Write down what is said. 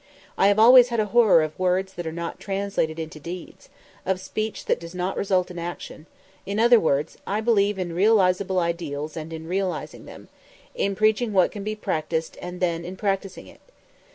I have always had a horror of words that are not translated into deeds, of speech that does not result in action in other words, I believe in realizable ideals and in realizing them, in preaching what can be practiced and then in practicing it.